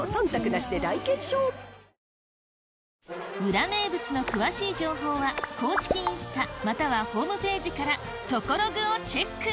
裏名物の詳しい情報は公式インスタまたはホームページからトコログをチェック